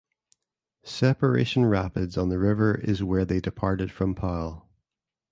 Separation Rapids on the river is where they departed from Powell.